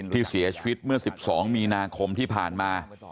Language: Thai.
ที่เสียชีวิตเมื่อ๑๒มีนาคมที่ผ่านมา